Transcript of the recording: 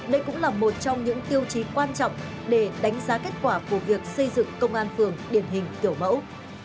đây cũng là một trong những tiêu chí quan trọng để đánh giá kết quả của việc xây dựng công an phường điển hình kiểu mẫu